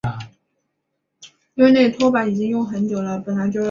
过去的辖区包含现在的观音寺市和三丰市的全部地区。